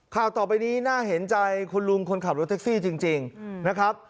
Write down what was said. ข่าวต่อไปนี้น่าเห็นใจคุณลุงคนขับรถแท็กซี่จริงนะครับ